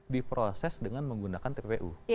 diproses dengan menggunakan tpu